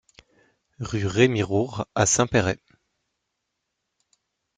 Rue Rémy Roure à Saint-Péray